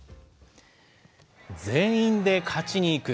全員で勝ちに行く。